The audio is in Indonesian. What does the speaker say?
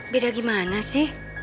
beda gimana sih